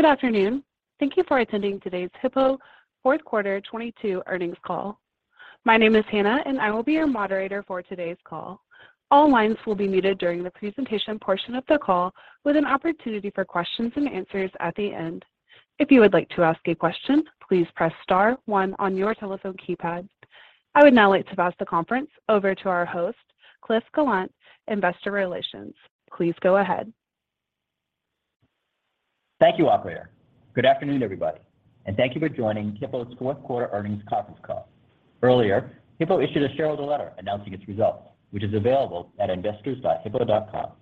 Good afternoon. Thank you for attending today's Hippo Fourth Quarter 2022 Earnings Call. My name is Hannah, and I will be your moderator for today's call. All lines will be muted during the presentation portion of the call, with an opportunity for Q&A at the end. If you would like to ask a question, please press star one on your telephone keypad. I would now like to pass the conference over to our host, Cliff Gallant, Investor Relations. Please go ahead. Thank you, operator. Good afternoon, everybody, and thank you for joining Hippo's fourth quarter earnings conference call. Earlier, Hippo issued a shareholder letter announcing its results, which is available at investors.hippo.com.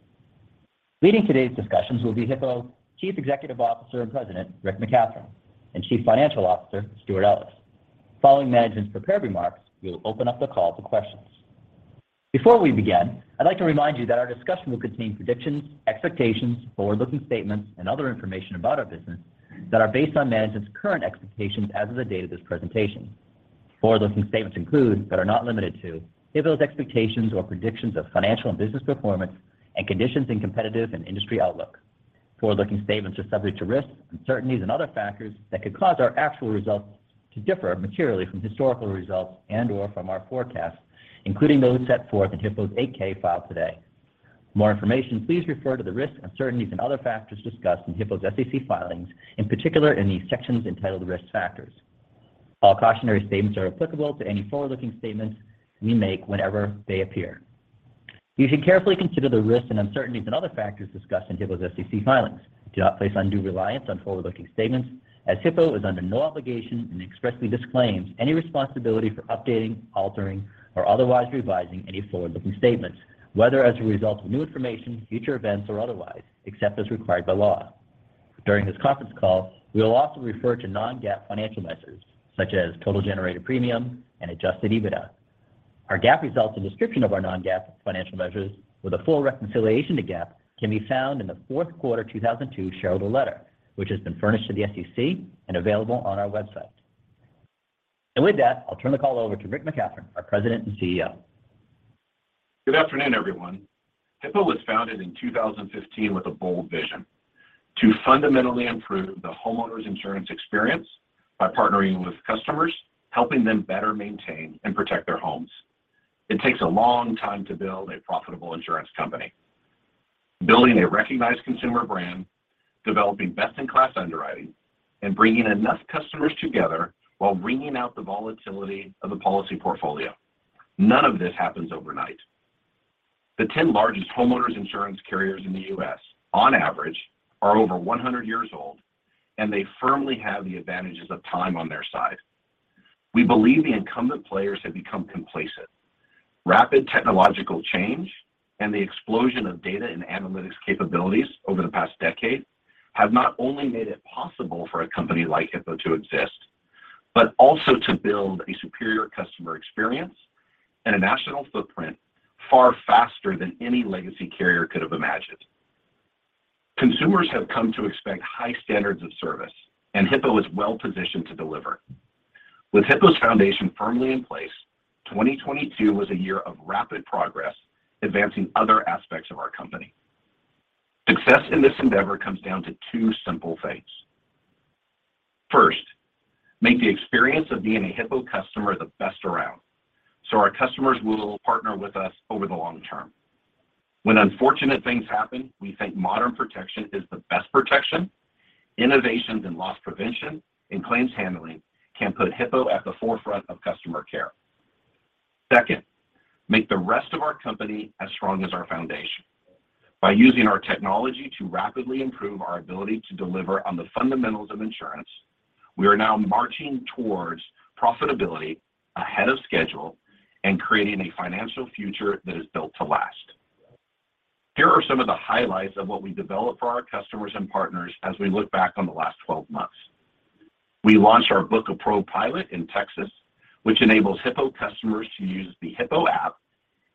Leading today's discussions will be Hippo's Chief Executive Officer and President, Rick McCathron, and Chief Financial Officer, Stewart Ellis. Following management's prepared remarks, we will open up the call to questions. Before we begin, I'd like to remind you that our discussion will contain predictions, expectations, forward-looking statements and other information about our business that are based on management's current expectations as of the date of this presentation. Forward-looking statements include, but are not limited to, Hippo's expectations or predictions of financial and business performance and conditions in competitive and industry outlook. Forward-looking statements are subject to risks, uncertainties and other factors that could cause our actual results to differ materially from historical results and/or from our forecasts, including those set forth in Hippo's 8-K filed today. For more information, please refer to the risks, uncertainties and other factors discussed in Hippo's SEC filings, in particular in these sections entitled Risk Factors. All cautionary statements are applicable to any forward-looking statements we make whenever they appear. You should carefully consider the risks and uncertainties and other factors discussed in Hippo's SEC filings. Do not place undue reliance on forward-looking statements, as Hippo is under no obligation and expressly disclaims any responsibility for updating, altering or otherwise revising any forward-looking statements, whether as a result of new information, future events or otherwise, except as required by law. During this conference call, we will often refer to non-GAAP financial measures, such as total generated premium and adjusted EBITDA. Our GAAP results and description of our non-GAAP financial measures with a full reconciliation to GAAP can be found in the fourth quarter 2002 shareholder letter, which has been furnished to the SEC and available on our website. With that, I'll turn the call over to Rick McCathron, our President and CEO. Good afternoon, everyone. Hippo was founded in 2015 with a bold vision: to fundamentally improve the homeowners insurance experience by partnering with customers, helping them better maintain and protect their homes. It takes a long time to build a profitable insurance company. Building a recognized consumer brand, developing best-in-class underwriting, and bringing enough customers together while wringing out the volatility of the policy portfolio. None of this happens overnight. The 10 largest homeowners insurance carriers in the U.S., on average, are over 100 years old. They firmly have the advantages of time on their side. We believe the incumbent players have become complacent. Rapid technological change and the explosion of data and analytics capabilities over the past decade have not only made it possible for a company like Hippo to exist, but also to build a superior customer experience and a national footprint far faster than any legacy carrier could have imagined. Consumers have come to expect high standards of service, and Hippo is well positioned to deliver. With Hippo's foundation firmly in place, 2022 was a year of rapid progress advancing other aspects of our company. Success in this endeavor comes down to two simple things. First, make the experience of being a Hippo customer the best around, so our customers will partner with us over the long term. When unfortunate things happen, we think modern protection is the best protection. Innovations in loss prevention and claims handling can put Hippo at the forefront of customer care. Second, make the rest of our company as strong as our foundation. By using our technology to rapidly improve our ability to deliver on the fundamentals of insurance, we are now marching towards profitability ahead of schedule and creating a financial future that is built to last. Here are some of the highlights of what we developed for our customers and partners as we look back on the last 12 months. We launched our Book a Pro pilot in Texas, which enables Hippo customers to use the Hippo app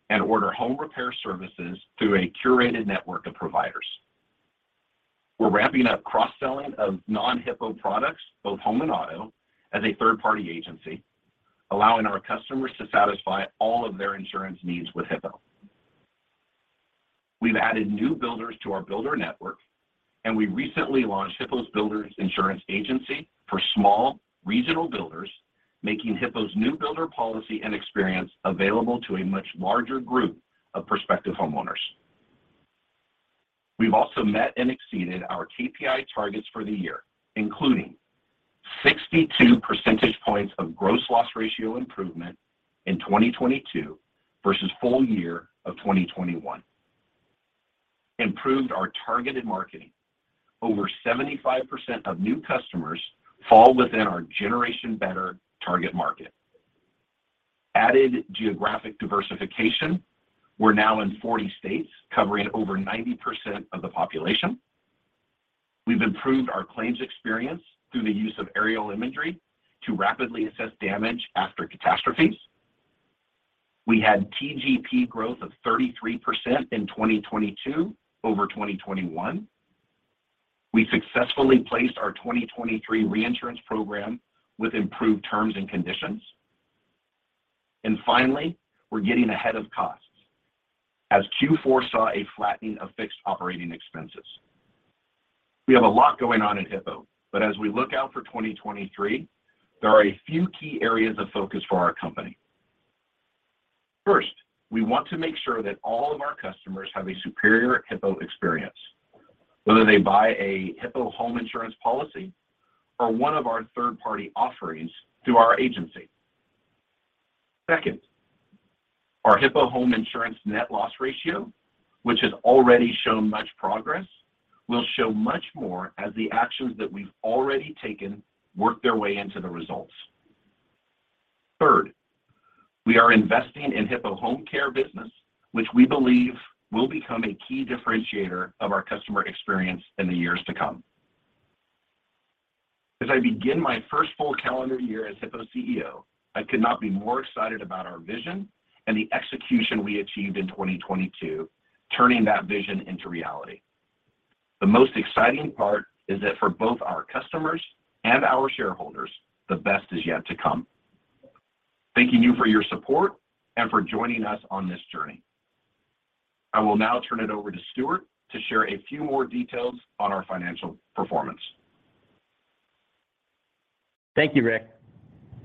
and order home repair services through a curated network of providers. We're ramping up cross-selling of non-Hippo products, both home and auto, as a third-party agency, allowing our customers to satisfy all of their insurance needs with Hippo. We've added new builders to our builder network, and we recently launched Hippo's Builder Insurance Agency for small, regional builders, making Hippo's new builder policy and experience available to a much larger group of prospective homeowners. We've also met and exceeded our KPI targets for the year, including 62 percentage points of gross loss ratio improvement in 2022 versus full year of 2021. Improved our targeted marketing. Over 75% of new customers fall within our Generation Better target market. Added geographic diversification. We're now in 40 states, covering over 90% of the population. We've improved our claims experience through the use of aerial imagery to rapidly assess damage after catastrophes. We had TGP growth of 33% in 2022 over 2021. We successfully placed our 2023 reinsurance program with improved terms and conditions. Finally, we're getting ahead of costs as Q4 saw a flattening of fixed operating expenses. We have a lot going on in Hippo, as we look out for 2023, there are a few key areas of focus for our company. First, we want to make sure that all of our customers have a superior Hippo experience, whether they buy a Hippo Home Insurance policy or one of our third-party offerings through our agency. Second, our Hippo Home Insurance net loss ratio, which has already shown much progress, will show much more as the actions that we've already taken work their way into the results. Third, we are investing in Hippo Home Care business, which we believe will become a key differentiator of our customer experience in the years to come. As I begin my first full calendar year as Hippo CEO, I could not be more excited about our vision and the execution we achieved in 2022, turning that vision into reality. The most exciting part is that for both our customers and our shareholders, the best is yet to come. Thanking you for your support and for joining us on this journey. I will now turn it over to Stewart to share a few more details on our financial performance. Thank you, Rick.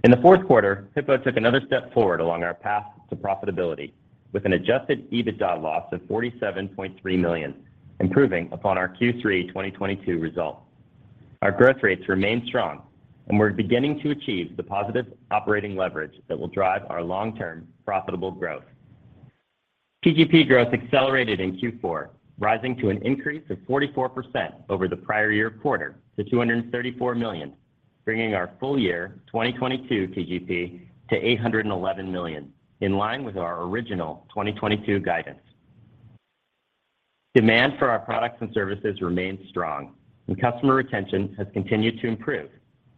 In the fourth quarter, Hippo took another step forward along our path to profitability with an adjusted EBITDA loss of $47.3 million, improving upon our Q3 2022 result. Our growth rates remain strong, we're beginning to achieve the positive operating leverage that will drive our long-term profitable growth. TGP growth accelerated in Q4, rising to an increase of 44% over the prior year quarter to $234 million, bringing our full year 2022 TGP to $811 million, in line with our original 2022 guidance. Demand for our products and services remains strong customer retention has continued to improve,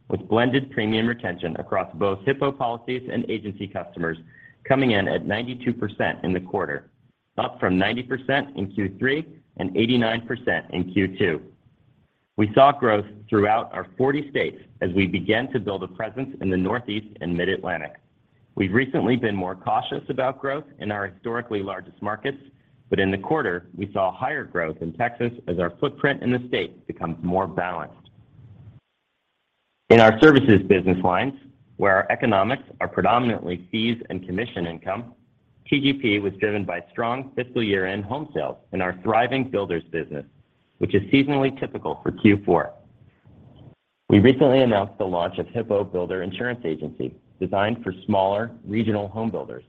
with blended premium retention across both Hippo policies and agency customers coming in at 92% in the quarter, up from 90% in Q3 and 89% in Q2. We saw growth throughout our 40 states as we began to build a presence in the Northeast and Mid-Atlantic. We've recently been more cautious about growth in our historically largest markets. In the quarter, we saw higher growth in Texas as our footprint in the state becomes more balanced. In our services business lines, where our economics are predominantly fees and commission income, TGP was driven by strong fiscal year-end home sales in our thriving builders business, which is seasonally typical for Q4. We recently announced the launch of Hippo Builder Insurance Agency, designed for smaller regional home builders.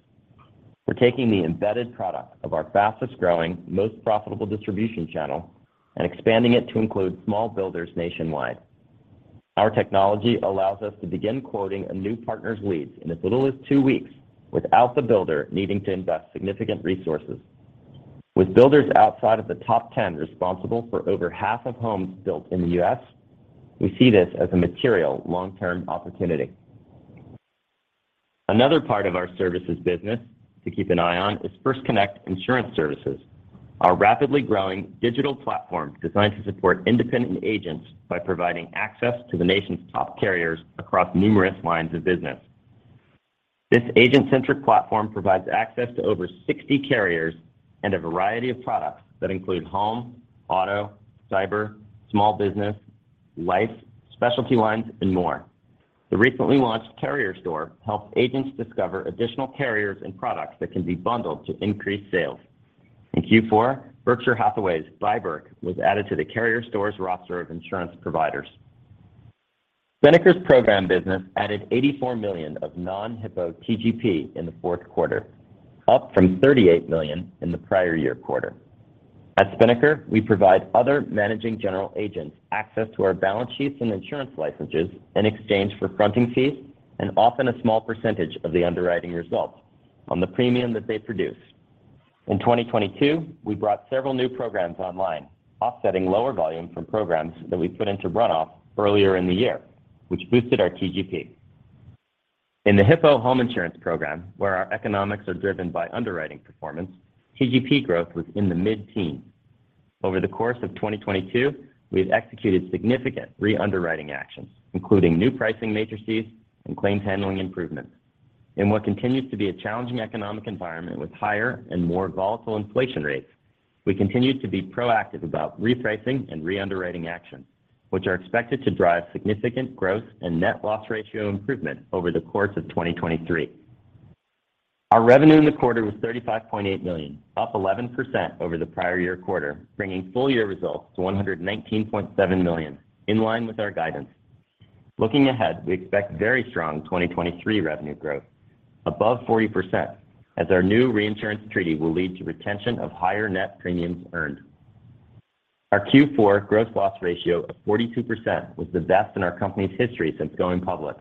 We're taking the embedded product of our fastest-growing, most profitable distribution channel and expanding it to include small builders nationwide. Our technology allows us to begin quoting a new partner's leads in as little as two weeks without the builder needing to invest significant resources. With builders outside of the top 10 responsible for over half of homes built in the U.S., we see this as a material long-term opportunity. Another part of our services business to keep an eye on is First Connect Insurance Services, our rapidly growing digital platform designed to support independent agents by providing access to the nation's top carriers across numerous lines of business. This agent-centric platform provides access to over 60 carriers and a variety of products that include home, auto, cyber, small business, life, specialty lines, and more. The recently launched Carrier Store helps agents discover additional carriers and products that can be bundled to increase sales. In Q4, Berkshire Hathaway's biBERK was added to the Carrier Store's roster of insurance providers. Spinnaker's program business added $84 million of non-Hippo TGP in the fourth quarter, up from $38 million in the prior year quarter. At Spinnaker, we provide other managing general agents access to our balance sheets and insurance licenses in exchange for fronting fees and often a small percentage of the underwriting results on the premium that they produce. In 2022, we brought several new programs online, offsetting lower volume from programs that we put into runoff earlier in the year, which boosted our TGP. In the Hippo Home Insurance program, where our economics are driven by underwriting performance, TGP growth was in the mid-teens. Over the course of 2022, we've executed significant re-underwriting actions, including new pricing matrices and claims handling improvements. In what continues to be a challenging economic environment with higher and more volatile inflation rates, we continue to be proactive about repricing and re-underwriting actions, which are expected to drive significant growth and net loss ratio improvement over the course of 2023. Our revenue in the quarter was $35.8 million, up 11% over the prior year quarter, bringing full year results to $119.7 million in line with our guidance. Looking ahead, we expect very strong 2023 revenue growth above 40% as our new reinsurance treaty will lead to retention of higher net premiums earned. Our Q4 gross loss ratio of 42% was the best in our company's history since going public.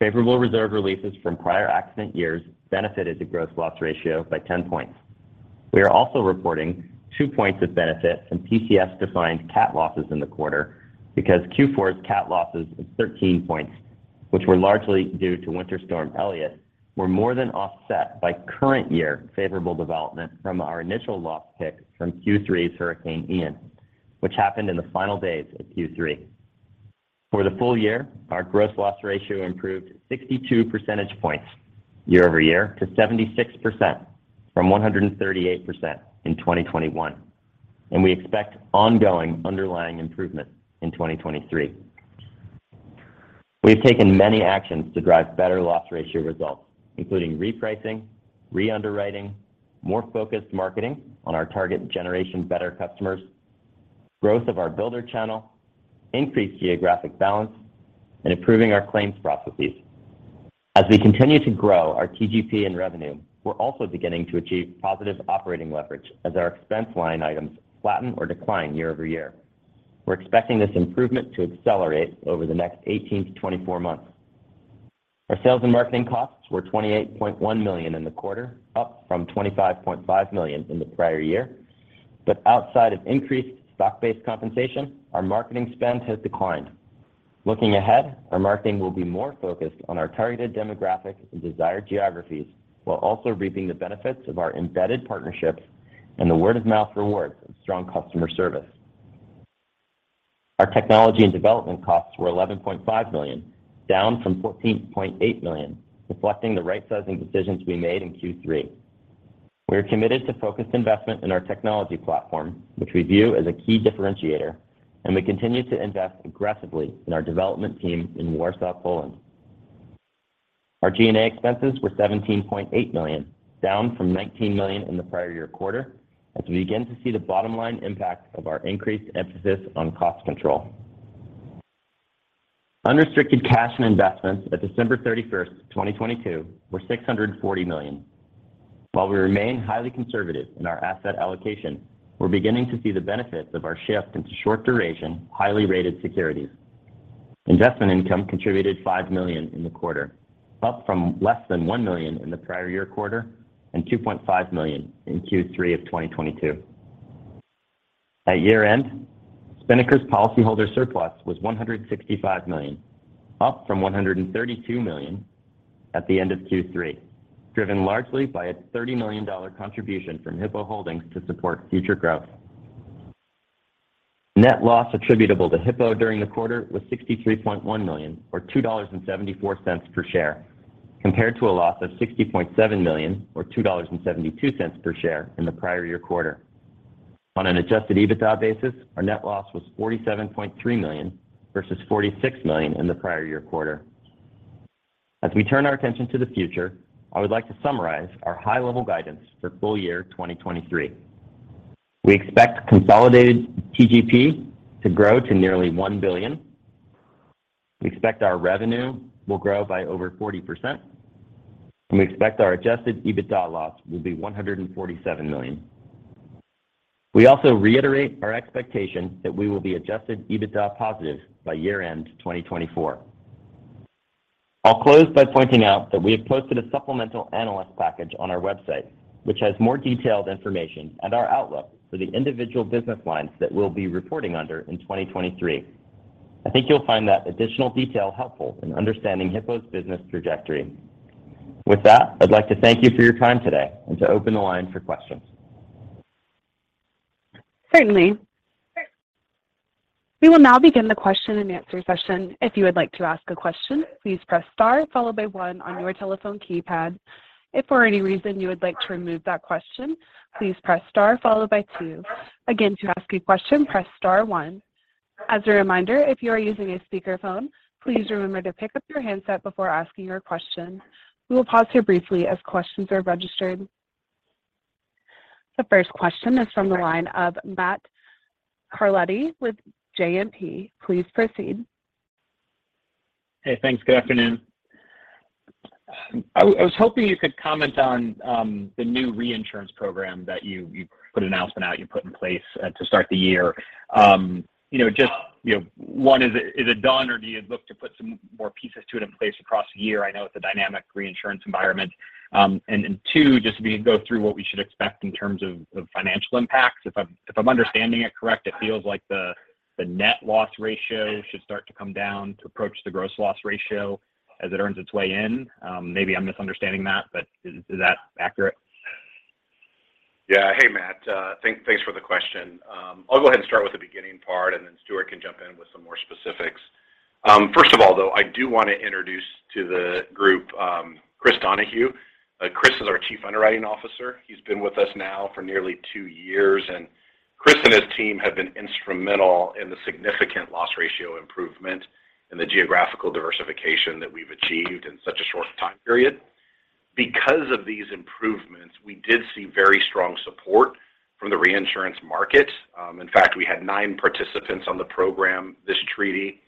Favorable reserve releases from prior accident years benefited the gross loss ratio by 10 points. We are also reporting 2 points of benefit from PCS-defined cat losses in the quarter because Q4's cat losses of 13 points, which were largely due to Winter Storm Elliott, were more than offset by current year favorable development from our initial loss pick from Q3 Hurricane Ian, which happened in the final days of Q3. For the full year, our gross loss ratio improved 62 percentage points year-over-year to 76% from 138% in 2021. We expect ongoing underlying improvement in 2023. We've taken many actions to drive better loss ratio results, including repricing, re-underwriting, more focused marketing on our target Generation Better customers, growth of our builder channel, increased geographic balance, and improving our claims processes. As we continue to grow our TGP and revenue, we're also beginning to achieve positive operating leverage as our expense line items flatten or decline year-over-year. We're expecting this improvement to accelerate over the next 18-24 months. Our sales and marketing costs were $28.1 million in the quarter, up from $25.5 million in the prior year. Outside of increased stock-based compensation, our marketing spend has declined. Looking ahead, our marketing will be more focused on our targeted demographic and desired geographies while also reaping the benefits of our embedded partnerships and the word-of-mouth rewards of strong customer service. Our technology and development costs were $11.5 million, down from $14.8 million, reflecting the right-sizing decisions we made in Q3. We are committed to focused investment in our technology platform, which we view as a key differentiator, and we continue to invest aggressively in our development team in Warsaw, Poland. Our G&A expenses were $17.8 million, down from $19 million in the prior year quarter as we begin to see the bottom line impact of our increased emphasis on cost control. Unrestricted cash and investments at December 31st, 2022 were $640 million. While we remain highly conservative in our asset allocation, we're beginning to see the benefits of our shift in short duration, highly rated securities. Investment income contributed $5 million in the quarter, up from less than $1 million in the prior year quarter and $2.5 million in Q3 of 2022. At year-end, Spinnaker's policyholder surplus was $165 million, up from $132 million at the end of Q3, driven largely by a $30 million contribution from Hippo Holdings to support future growth. Net loss attributable to Hippo during the quarter was $63.1 million, or $2.74 per share, compared to a loss of $60.7 million or $2.72 per share in the prior year quarter. On an adjusted EBITDA basis, our net loss was $47.3 million versus $46 million in the prior year quarter. As we turn our attention to the future, I would like to summarize our high-level guidance for full year 2023. We expect consolidated TGP to grow to nearly $1 billion. We expect our revenue will grow by over 40%, and we expect our adjusted EBITDA loss will be $147 million. We also reiterate our expectation that we will be adjusted EBITDA positive by year-end 2024. I'll close by pointing out that we have posted a supplemental analyst package on our website, which has more detailed information and our outlook for the individual business lines that we'll be reporting under in 2023. I think you'll find that additional detail helpful in understanding Hippo's business trajectory. With that, I'd like to thank you for your time today and to open the line for questions. Certainly. We will now begin the Q&A session. If you would like to ask a question, please press star followed by one on your telephone keypad. If for any reason you would like to remove that question, please press star followed by two. Again, to ask a question, press star one. As a reminder, if you are using a speakerphone, please remember to pick up your handset before asking your question. We will pause here briefly as questions are registered. The first question is from the line of Matt Carletti with JMP. Please proceed. Hey, thanks. Good afternoon. I was hoping you could comment on the new reinsurance program that you put an announcement out, you put in place to start the year. You know, just, you know, one, is it done or do you look to put some more pieces to it in place across the year? I know it's a dynamic reinsurance environment. Two, just so we can go through what we should expect in terms of financial impacts. If I'm understanding it correct, it feels like the net loss ratio should start to come down to approach the gross loss ratio as it earns its way in. Maybe I'm misunderstanding that, is that accurate? Yeah. Hey, Matt. Thanks for the question. I'll go ahead and start with the beginning part. Stewart can jump in with some more specifics. First of all, though, I do want to introduce to the group, Chris Donahue. Chris is our Chief Underwriting Officer. He's been with us now for nearly two years. Chris and his team have been instrumental in the significant loss ratio improvement and the geographical diversification that we've achieved in such a short time period. Because of these improvements, we did see very strong support from the reinsurance market. In fact, we had nine participants on the program, this treaty.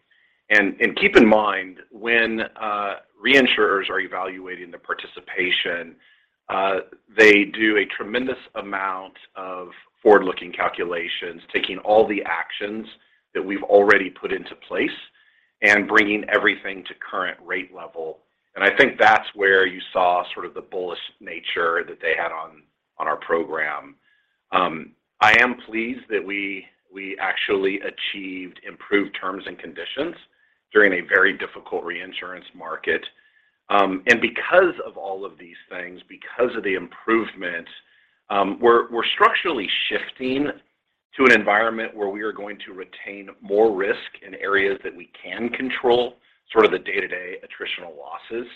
Keep in mind, when reinsurers are evaluating the participation, they do a tremendous amount of forward-looking calculations, taking all the actions that we've already put into place and bringing everything to current rate level. I think that's where you saw sort of the bullish nature that they had on our program. I am pleased that we actually achieved improved terms and conditions during a very difficult reinsurance market. Because of all of these things, because of the improvements, we're structurally shifting to an environment where we are going to retain more risk in areas that we can control, sort of the day-to-day attritional losses.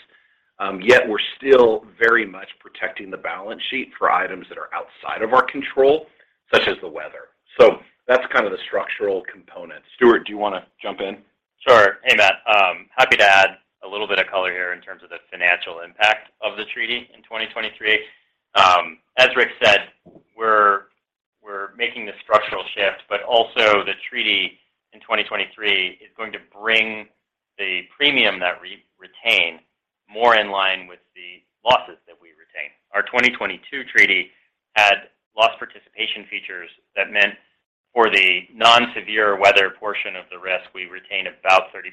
Yet we're still very much protecting the balance sheet for items that are outside of our control, such as the weather. That's kind of the structural component. Stewart, do you wanna jump in? Sure. Hey, Matt. Happy to add a little bit of color here in terms of the financial impact of the treaty in 2023. As Rick said, we're making the structural shift, also the treaty in 2023 is going to bring the premium that re-retain more in line with the losses that we retain. Our 2022 treaty had loss participation features that meant for the non-severe weather portion of the risk, we retain about 30%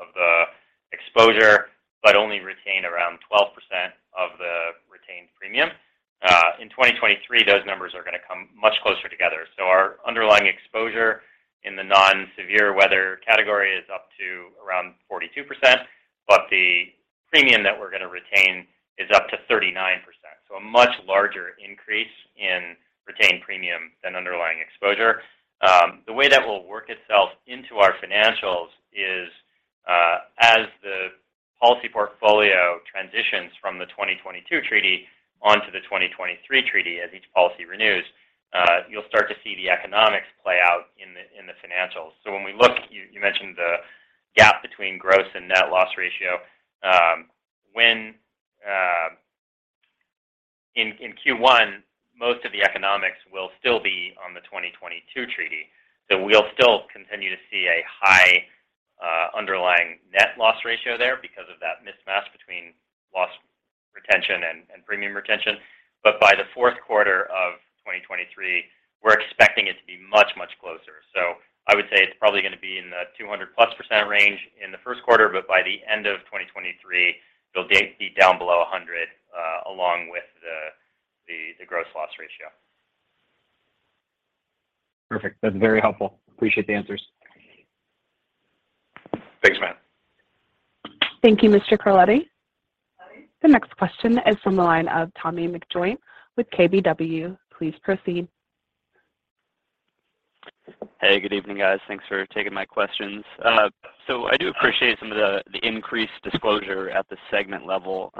of the exposure, only retain around 12% of the retained premium. In 2023, those numbers are gonna come much closer together. Our underlying exposure in the non-severe weather category is up to around 42%, the premium that we're gonna retain is up to 39%. A much larger increase in retained premium than underlying exposure. The way that will work itself into our financials is, as the policy portfolio transitions from the 2022 treaty onto the 2023 treaty as each policy renews, you'll start to see the economics play out in the financials. When we look, you mentioned the gap between gross loss ratio and net loss ratio. When in Q1, most of the economics will still be on the 2022 treaty. We'll still continue to see a high underlying net loss ratio there because of that mismatch between loss retention and premium retention. By the fourth quarter of 2023, we're expecting it to be much, much closer. I would say it's probably gonna be in the 200%+ range in the first quarter, but by the end of 2023, it'll be down below 100, along with the gross loss ratio. Perfect. That's very helpful. Appreciate the answers. Thanks, Matt. Thank you, Mr. Carletti. The next question is from the line of Tommy McJoynt with KBW. Please proceed. Hey, good evening, guys. Thanks for taking my questions. I do appreciate some of the increased disclosure at the segment level.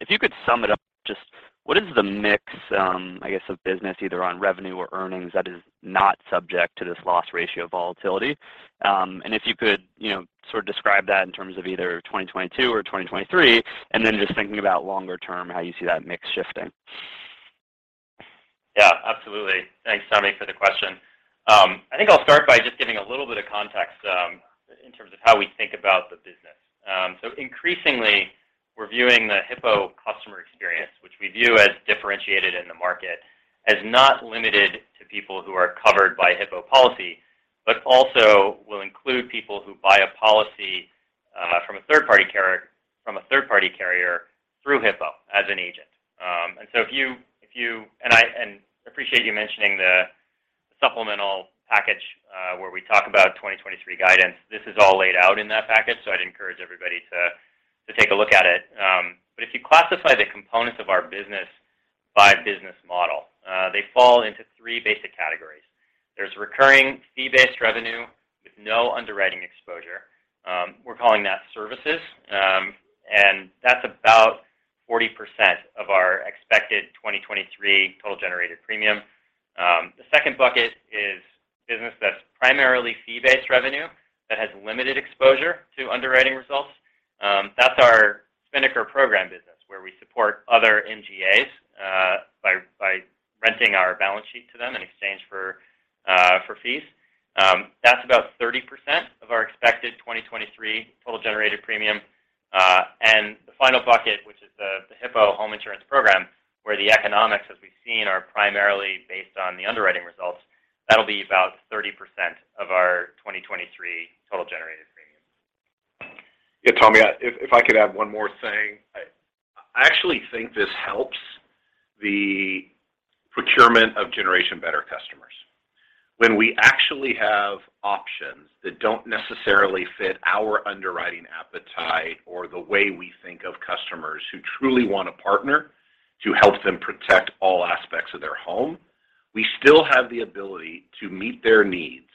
If you could sum it up, just what is the mix, I guess, of business either on revenue or earnings that is not subject to this loss ratio volatility? If you could, you know, sort of describe that in terms of either 2022 or 2023, and then just thinking about longer term, how you see that mix shifting. Yeah, absolutely. Thanks, Tommy, for the question. I think I'll start by just giving a little bit of context in terms of how we think about the business. Increasingly, we're viewing the Hippo customer experience, which we view as differentiated in the market, as not limited to people who are covered by Hippo policy, but also will include people who buy a policy from a third-party carrier, from a third-party carrier through Hippo as an agent. If you and I appreciate you mentioning the supplemental package where we talk about 2023 guidance. This is all laid out in that package, so I'd encourage everybody to take a look at it. If you classify the components of our business by business model, they fall into three basic categories. There's recurring fee-based revenue with no underwriting exposure. We're calling that services. That's about 40% of our expected 2023 total generated premium. The second bucket is business that's primarily fee-based revenue that has limited exposure to underwriting results. That's our Spinnaker program business, where we support other MGAs, by renting our balance sheet to them in exchange for fees. That's about 30% of our expected 2023 total generated premium. The final bucket, which is the Hippo Home Insurance program, where the economics, as we've seen, are primarily based on the underwriting results. That'll be about 30% of our 2023 total generated premium. Yeah, Tommy, if I could add one more thing. I actually think this helps the procurement of Generation Better customers. When we actually have options that don't necessarily fit our underwriting appetite or the way we think of customers who truly want a partner to help them protect all aspects of their home, we still have the ability to meet their needs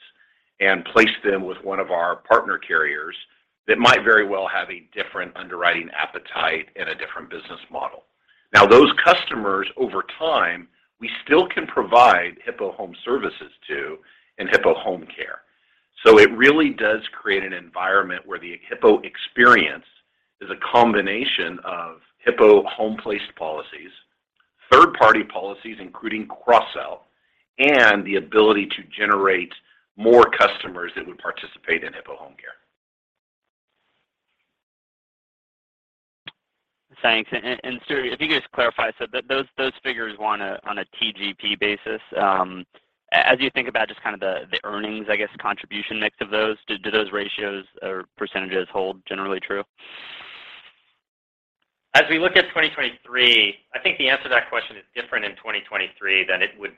and place them with one of our partner carriers that might very well have a different underwriting appetite and a different business model. Now, those customers, over time, we still can provide Hippo Home Services to in Hippo Home Care. It really does create an environment where the Hippo experience is a combination of Hippo home placed policies, third-party policies, including cross sell, and the ability to generate more customers that would participate in Hippo Home Care. Thanks. Stewart, if you could just clarify. Those figures were on a TGP basis. As you think about just kind of the earnings, I guess, contribution mix of those, do those ratios or percentages hold generally true? As we look at 2023, I think the answer to that question is different in 2023 than it would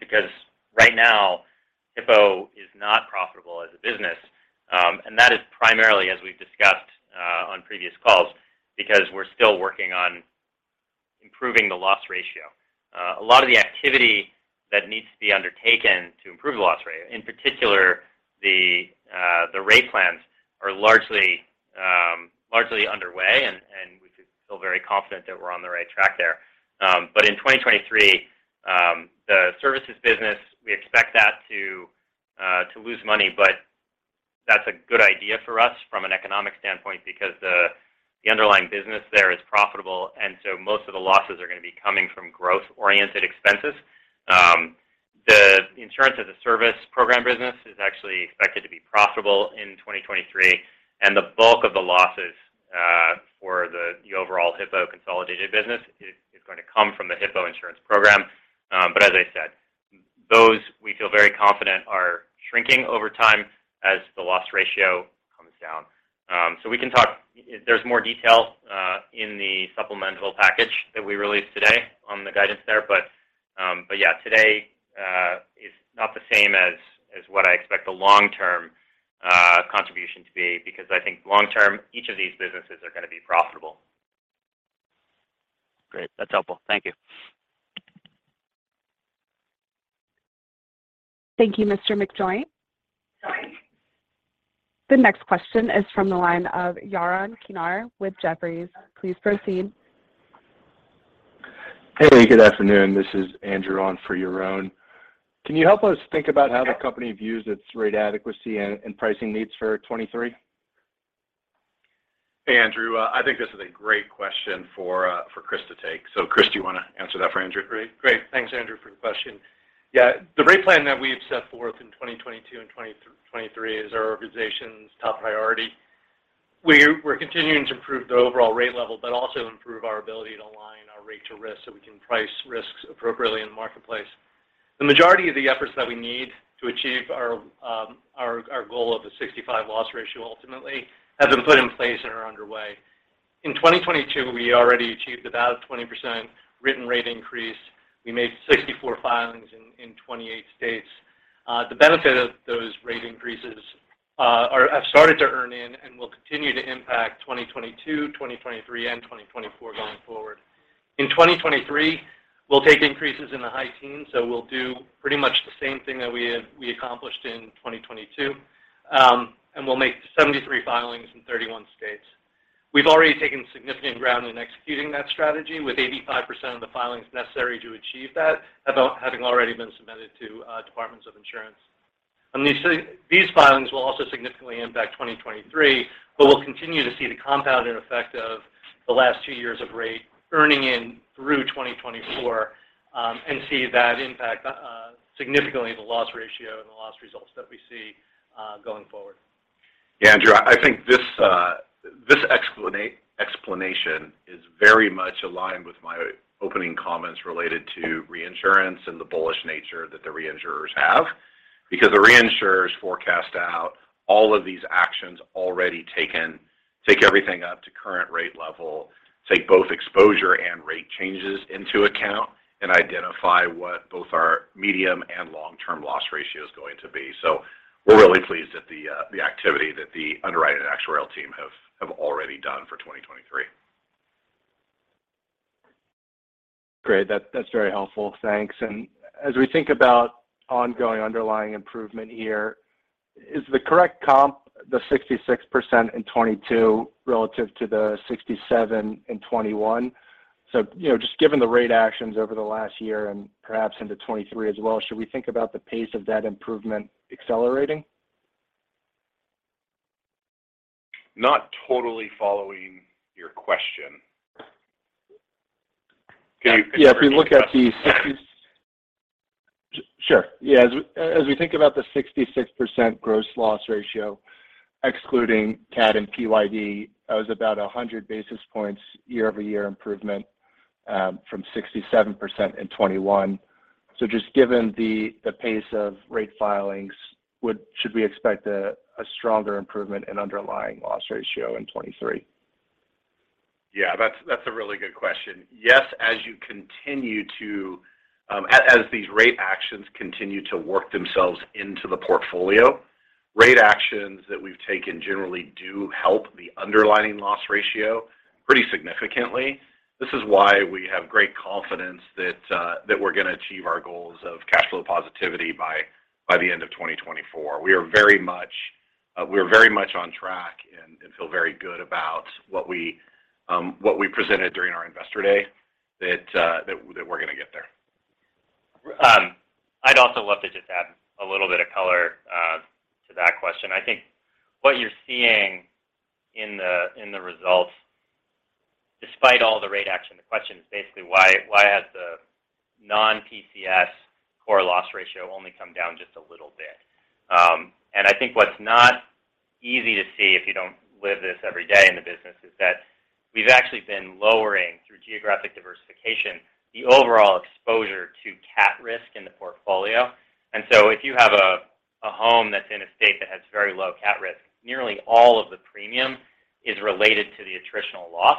because right now, Hippo is not profitable as a business, and that is primarily, as we've discussed, on previous calls because we're still working on improving the loss ratio. A lot of the activity that needs to be undertaken to improve the loss ratio, in particular the rate plans are largely underway and we feel very confident that we're on the right track there. In 2023, the services business, we expect that to lose money, but that's a good idea for us from an economic standpoint because the underlying business there is profitable, and so most of the losses are gonna be coming from growth-oriented expenses. The Insurance-as-a-Service program business is actually expected to be profitable in 2023. The bulk of the losses for the overall Hippo consolidated business is going to come from the Hippo insurance program. As I said, those we feel very confident are shrinking over time as the loss ratio comes down. There's more detail in the supplemental package that we released today on the guidance there. Yeah, today is not the same as what I expect the long term contribution to be because I think long term, each of these businesses are gonna be profitable. Great. That's helpful. Thank you. Thank you, Mr. McJoynt. The next question is from the line of Yaron Kinar with Jefferies. Please proceed. Hey, good afternoon. This is Andrew on for Yaron. Can you help us think about how the company views its rate adequacy and pricing needs for 2023? Hey, Andrew. I think this is a great question for Chris to take. Chris, do you want to answer that for Andrew, please? Great. Thanks, Andrew, for the question. Yeah. The rate plan that we have set forth in 2022 and 2023 is our organization's top priority. We're continuing to improve the overall rate level but also improve our ability to align our rate to risk so we can price risks appropriately in the marketplace. The majority of the efforts that we need to achieve our goal of a 65 loss ratio ultimately have been put in place and are underway. In 2022, we already achieved about a 20% written rate increase. We made 64 filings in 28 states. The benefit of those rate increases have started to earn in and will continue to impact 2022, 2023, and 2024 going forward. In 2023, we'll take increases in the high teens, we'll do pretty much the same thing that we accomplished in 2022. We'll make 73 filings in 31 states. We've already taken significant ground in executing that strategy with 85% of the filings necessary to achieve that about having already been submitted to departments of insurance. These filings will also significantly impact 2023, we'll continue to see the compounding effect of the last two years of rate earning in through 2024, and see that impact significantly the loss ratio and the loss results that we see going forward. Andrew, I think this explanation is very much aligned with my opening comments related to reinsurance and the bullish nature that the reinsurers have because the reinsurers forecast out all of these actions already taken, take everything up to current rate level, take both exposure and rate changes into account, and identify what both our medium and long-term loss ratio is going to be. We're really pleased at the activity that the underwriting and actuarial team have already done for 2023. Great. That, that's very helpful. Thanks. As we think about ongoing underlying improvement here, is the correct comp the 66% in 2022 relative to the 67% in 2021? You know, just given the rate actions over the last year and perhaps into 2023 as well, should we think about the pace of that improvement accelerating? Not totally following your question. Can you rephrase that? Yeah. As we think about the 66% gross loss ratio excluding CAT and PYD, that was about 100 basis points year-over-year improvement from 67% in 2021. Just given the pace of rate filings, should we expect a stronger improvement in underlying loss ratio in 2023? That's a really good question. Yes. As you continue to as these rate actions continue to work themselves into the portfolio, rate actions that we've taken generally do help the underlying loss ratio pretty significantly. This is why we have great confidence that we're gonna achieve our goals of cash flow positivity by the end of 2024. We are very much on track and feel very good about what we presented during our investor day that we're gonna get there. I'd also love to just add a little bit of color to that question. I think what you're seeing in the results, despite all the rate action, the question is basically why has the non-PCS core loss ratio only come down just a little bit. I think what's not easy to see if you don't live this every day in the business is that we've actually been lowering through geographic diversification the overall exposure to CAT risk in the portfolio. If you have a home that's in a state that has very low CAT risk, nearly all of the premium is related to the attritional loss.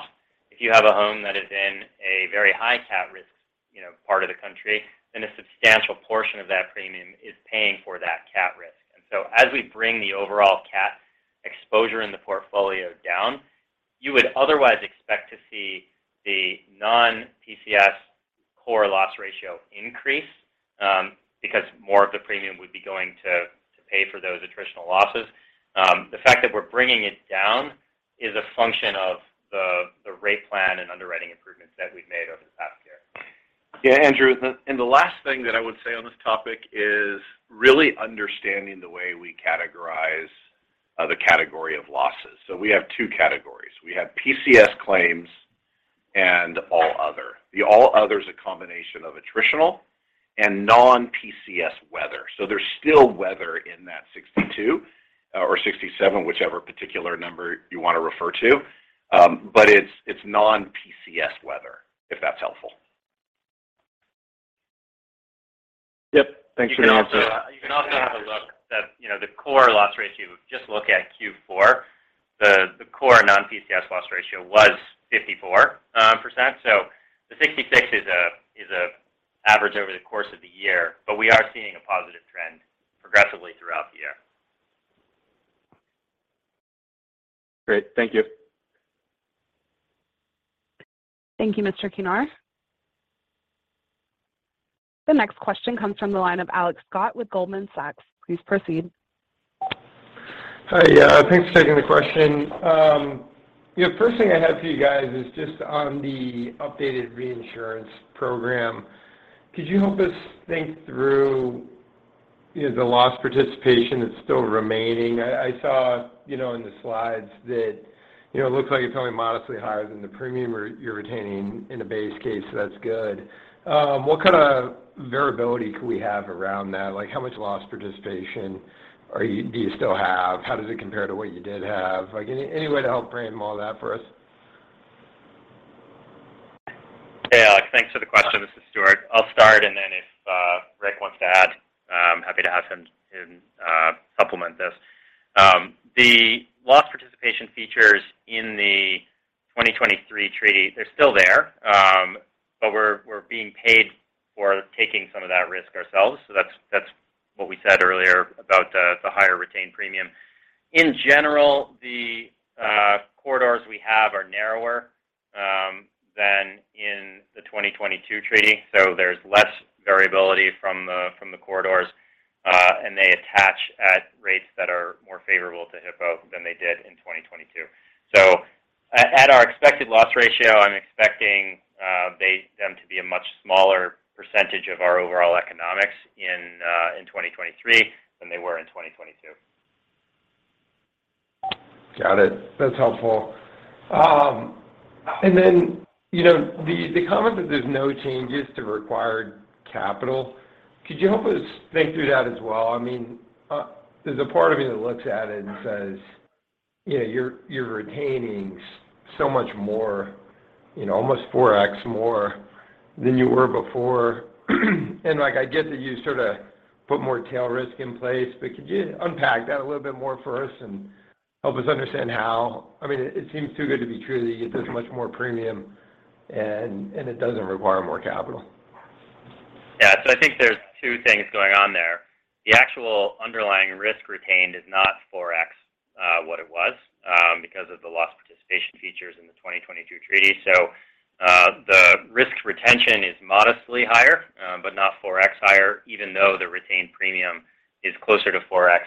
If you have a home that is in a very high CAT risk, you know, part of the country, then a substantial portion of that premium is paying for that CAT risk. As we bring the overall cat exposure in the portfolio down, you would otherwise expect to see the non-PCS core loss ratio increase because more of the premium would be going to pay for those attritional losses. The fact that we're bringing it down is a function of the rate plan and underwriting improvements that we've made over the past year. Yeah, Andrew. The last thing that I would say on this topic is really understanding the way we categorize the category of losses. We have two categories. We have PCS claims and all other. The all other is a combination of attritional and non-PCS weather. There's still weather in that 62 or 67, whichever particular number you wanna refer to. But it's non-PCS weather, if that's helpful. Yep. Thanks for the answer. You can also have a look that, you know, the core loss ratio, if you just look at Q4, the core non-PCS loss ratio was 54%. The 66 is a average over the course of the year. We are seeing a positive trend progressively throughout the year. Great. Thank you. Thank you, Mr. Kinar. The next question comes from the line of Alex Scott with Goldman Sachs. Please proceed. Hi. Yeah, thanks for taking the question. You know, first thing I had for you guys is just on the updated reinsurance program. Could you help us think through, you know, the loss participation that's still remaining? I saw, you know, in the slides that, you know, it looks like it's only modestly higher than the premium you're retaining in a base case, so that's good. What kind of variability could we have around that? Like, how much loss participation do you still have? How does it compare to what you did have? Like, any way to help frame all that for us? Yeah, Alex, thanks for the question. This is Stewart. I'll start. Then if Rick wants to add, I'm happy to have him supplement this. The loss participation features in the 2023 treaty, they're still there. We're being paid for taking some of that risk ourselves. That's what we said earlier about the higher retained premium. In general, the corridors we have are narrower than in the 2022 treaty. There's less variability from the corridors. They attach at rates that are more favorable to Hippo than they did in 2022. At our expected loss ratio, I'm expecting them to be a much smaller % of our overall economics in 2023 than they were in 2022. Got it. That's helpful. You know, the comment that there's no changes to required capital, could you help us think through that as well? I mean, there's a part of me that looks at it and says, you know, you're retaining so much more, you know, almost 4x more than you were before. Like, I get that you sort of put more tail risk in place, but could you unpack that a little bit more for us and help us understand how? I mean, it seems too good to be true that you get this much more premium and it doesn't require more capital. Yeah. I think there's two things going on there. The actual underlying risk retained is not 4x what it was because of the loss participation features in the 2022 treaty. The risk retention is modestly higher, but not 4x higher, even though the retained premium is closer to 4x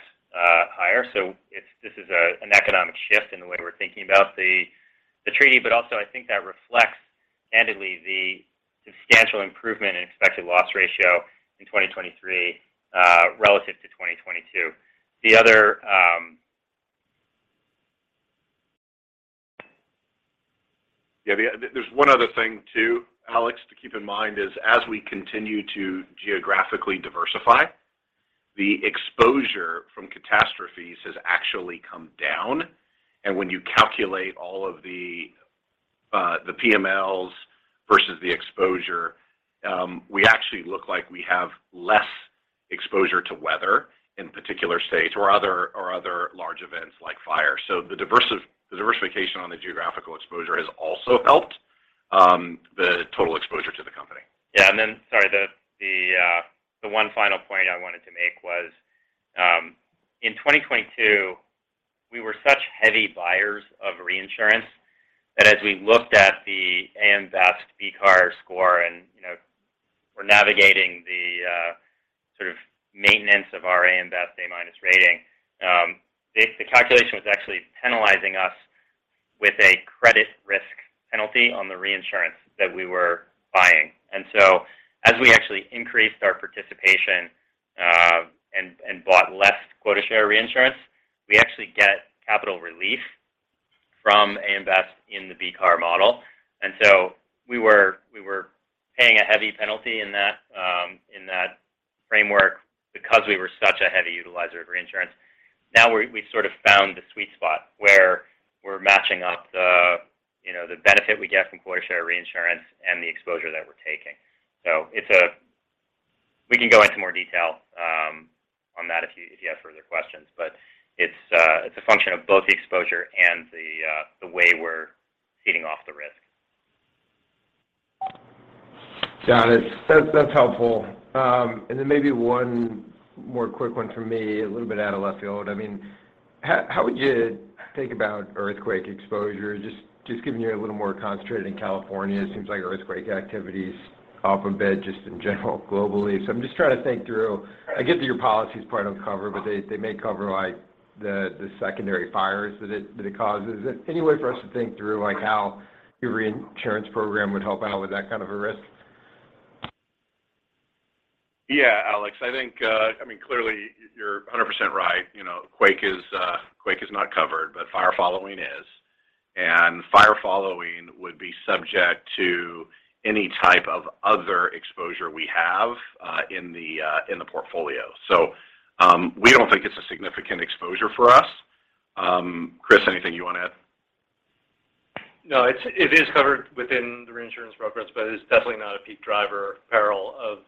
higher. This is an economic shift in the way we're thinking about the treaty, but also I think that reflects candidly the substantial improvement in expected loss ratio in 2023 relative to 2022. The other. Yeah. There's one other thing too, Alex, to keep in mind is as we continue to geographically diversify, the exposure from catastrophes has actually come down. When you calculate all of the PMLs versus the exposure, we actually look like we have less exposure to weather in particular states or other, or other large events like fire. The diversification on the geographical exposure has also helped the total exposure to the company. Yeah. Sorry, the one final point I wanted to make was, in 2022, we were such heavy buyers of reinsurance that as we looked at the AM Best BCAR score and, you know, we're navigating the sort of maintenance of our AM Best A- rating, the calculation was actually penalizing us with a credit risk penalty on the reinsurance that we were buying. As we actually increased our participation, and bought less quota share reinsurance, we actually get capital relief from AM Best in the BCAR model. We were paying a heavy penalty in that framework because we were such a heavy utilizer of reinsurance. Now we sort of found the sweet spot where we're matching up that we get from quota share reinsurance and the exposure that we're taking. We can go into more detail on that if you, if you have further questions. It's a function of both the exposure and the way we're ceding off the risk. John, that's helpful. Then maybe one more quick one from me, a little bit out of left field. I mean, how would you think about earthquake exposure? Just given you're a little more concentrated in California, it seems like earthquake activity is off a bit just in general globally. I'm just trying to think through. I get that your policies probably don't cover, but they may cover like the secondary fires that it causes. Any way for us to think through like how your reinsurance program would help out with that kind of a risk? Yeah, Alex, I think, I mean, clearly you're 100% right. You know, quake is, quake is not covered, but fire following is. Fire following would be subject to any type of other exposure we have in the portfolio. We don't think it's a significant exposure for us. Chris, anything you wanna add? No. It is covered within the reinsurance progress, but it's definitely not a peak driver peril of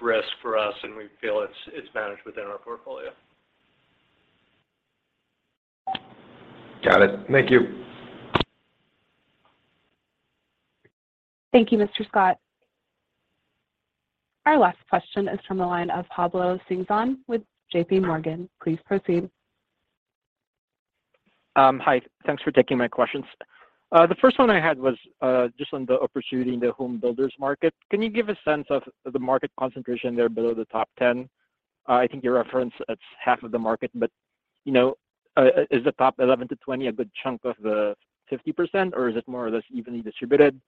risk for us, and we feel it's managed within our portfolio. Got it. Thank you. Thank you, Mr. Scott. Our last question is from the line of Pablo Singzon with JPMorgan. Please proceed. Hi. Thanks for taking my questions. The first one I had was just on the opportunity in the home builders market. Can you give a sense of the market concentration there below the top 10? I think you referenced it's half of the market, but, you know, is the top 11 to 20 a good chunk of the 50%, or is it more or less evenly distributed?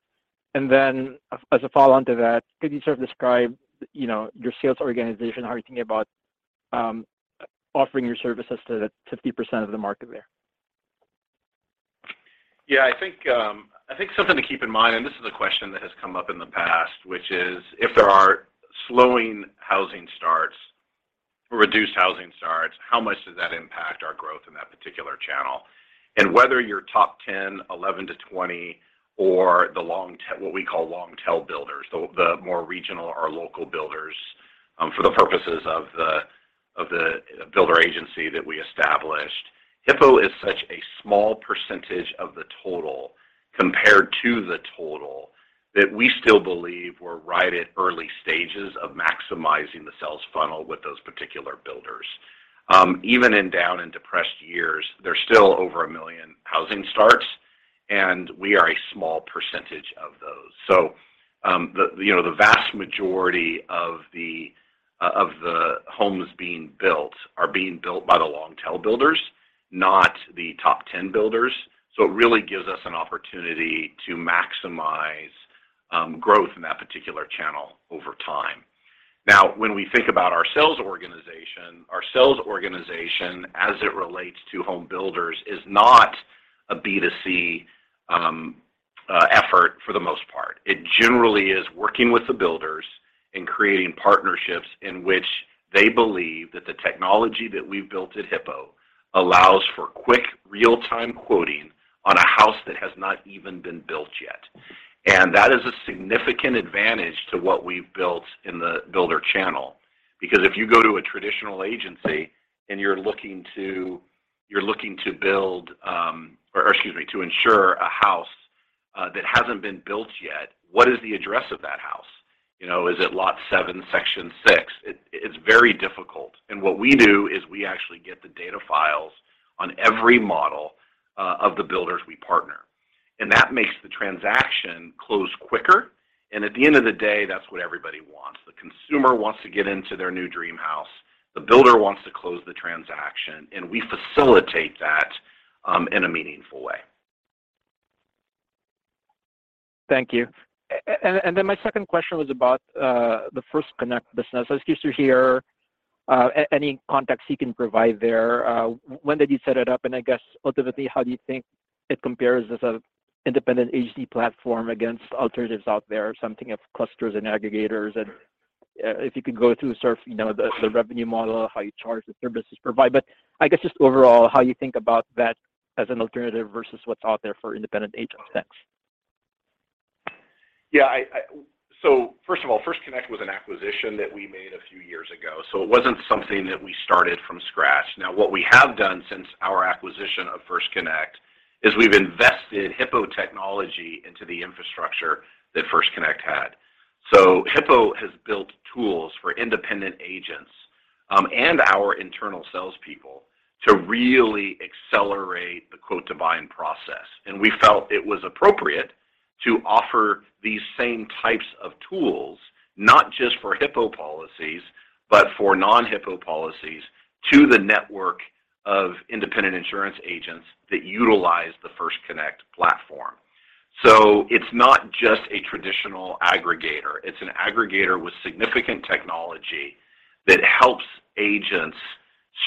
As a follow-on to that, could you sort of describe, you know, your sales organization? How are you thinking about offering your services to the 50% of the market there? I think something to keep in mind. This is a question that has come up in the past, which is if there are slowing housing starts or reduced housing starts, how much does that impact our growth in that particular channel? Whether you're top 10, 11 to 20, or what we call long tail builders, the more regional or local builders, for the purposes of the builder agency that we established, Hippo is such a small percentage of the total compared to the total that we still believe we're right at early stages of maximizing the sales funnel with those particular builders. Even in down and depressed years, there's still over 1 million housing starts, and we are a small percentage of those. The, you know, the vast majority of the homes being built are being built by the long tail builders, not the top 10 builders. It really gives us an opportunity to maximize growth in that particular channel over time. Now, when we think about our sales organization, our sales organization as it relates to home builders is not a B2C effort for the most part. It generally is working with the builders and creating partnerships in which they believe that the technology that we've built at Hippo allows for quick real-time quoting on a house that has not even been built yet. That is a significant advantage to what we've built in the builder channel. If you go to a traditional agency, you're looking to, you're looking to build, or excuse me, to insure a house, that hasn't been built yet, what is the address of that house? You know, is it lot seven, section six? It's very difficult. What we do is we actually get the data files on every model of the builders we partner. That makes the transaction close quicker. At the end of the day, that's what everybody wants. The consumer wants to get into their new dream house, the builder wants to close the transaction, and we facilitate that in a meaningful way. Thank you. My second question was about the First Connect business. I was curious to hear any context you can provide there. When did you set it up? I guess ultimately, how do you think it compares as a independent HD platform against alternatives out there, something of clusters and aggregators? If you could go through sort of, you know, the revenue model, how you charge the services provided. I guess just overall, how you think about that as an alternative versus what's out there for independent agents. Thanks. Yeah. I, first of all, First Connect was an acquisition that we made a few years ago, it wasn't something that we started from scratch. What we have done since our acquisition of First Connect is we've invested Hippo technology into the infrastructure that First Connect had. Hippo has built tools for independent agents and our internal salespeople to really accelerate the quote-to-bind process. We felt it was appropriate to offer these same types of tools, not just for Hippo policies, but for non-Hippo policies, to the network of independent insurance agents that utilize the First Connect platform. It's not just a traditional aggregator. It's an aggregator with significant technology that helps agents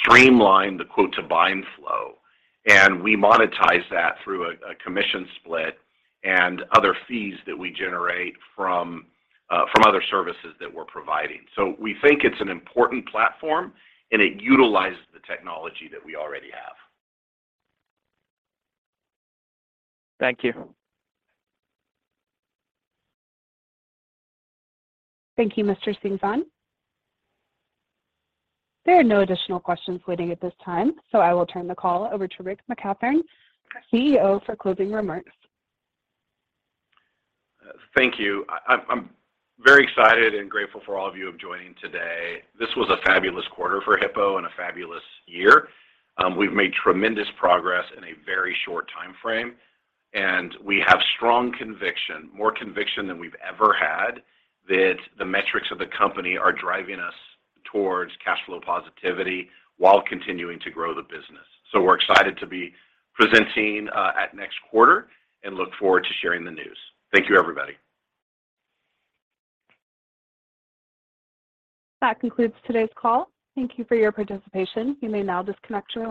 streamline the quote-to-bind flow, and we monetize that through a commission split and other fees that we generate from other services that we're providing. We think it's an important platform, and it utilizes the technology that we already have. Thank you. Thank you, Mr. Singzon. There are no additional questions waiting at this time. I will turn the call over to Rick McCathron, CEO, for closing remarks. Thank you. I'm very excited and grateful for all of you of joining today. This was a fabulous quarter for Hippo and a fabulous year. We've made tremendous progress in a very short timeframe, and we have strong conviction, more conviction than we've ever had, that the metrics of the company are driving us towards cash flow positivity while continuing to grow the business. We're excited to be presenting at next quarter and look forward to sharing the news. Thank you, everybody. That concludes today's call. Thank you for your participation. You may now disconnect your lines.